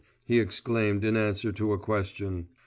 he exclaimed in answer to a question.